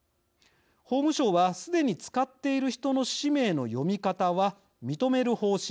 法務省はすでに使っている人の氏名の読み方は認める方針です。